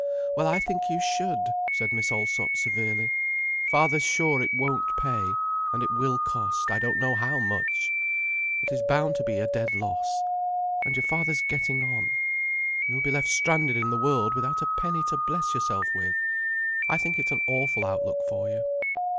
"Well I think you should," said Miss Allsop severely. "Father's sure it won't pay—and it will cost I don't know how much. It is bound to be a dead loss. And your father's getting on. You'll be left stranded in the world without a penny to bless yourself with. I think it's an awful outlook for you."